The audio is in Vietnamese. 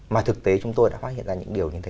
mà thực tế chúng tôi đã phát hiện ra những điều như thế